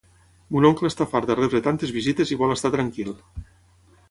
Mon oncle està fart de rebre tantes visites i vol estar tranquil